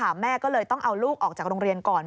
แม่ก็เลยต้องเอาลูกออกจากโรงเรียนก่อน